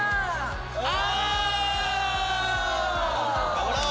頑張ろう。